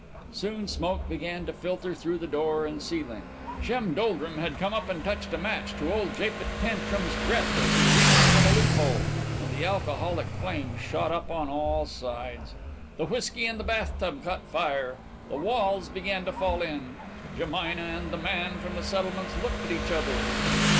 Soon smoke began to filter through the floor and ceiling. Shem Doldrum had come up and touched a match to old Japhet Tantrum's breath as he leaned from a loophole, and the alcoholic flames shot up on all sides. The whiskey in the bathtub caught fire. The walls began to fall in. Jemina and the man from the settlements looked at each other.